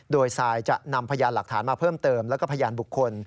โดยซายจะนำพยานหลักฐานมาเพิ่มเติมแล้วก็พยานบุคคล